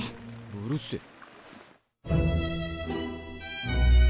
うるせぇ。